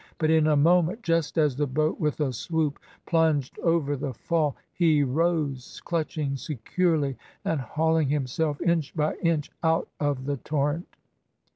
But in a moment, just as the boat with a swoop plunged over the fall, he rose, clutching securely and hauling himself inch by inch out of the torrent.